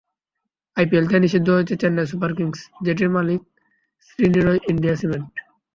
IPL থেকে নিষিদ্ধ হয়েছে চেন্নাই সুপার কিংস, যেটির মালিক শ্রীনিরই ইন্ডিয়া সিমেন্ট।